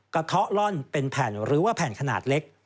เทาะล่อนเป็นแผ่นหรือว่าแผ่นขนาดเล็ก